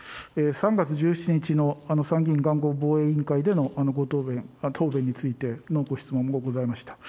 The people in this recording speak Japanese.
３月１７日の参議院外交防衛委員会でのご答弁、答弁についてのご質問がございました。